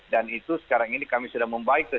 dan itu sekarang ini kami sudah membaikkan